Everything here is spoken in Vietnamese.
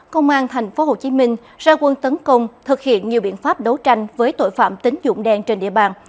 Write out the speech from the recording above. công an tp hcm ra quân tấn công thực hiện nhiều biện pháp đấu tranh với tội phạm tính dụng đen trên địa bàn